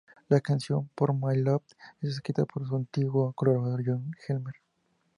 La canción "Pour my love" es escrita por su antiguo colaborador John Helmer.